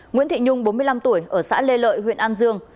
nguyễn thị nhung bốn mươi năm tuổi ở xã lê lợi huyện an dương